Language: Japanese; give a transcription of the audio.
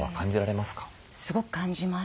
すごく感じます。